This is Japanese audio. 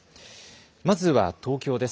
まずは東京です。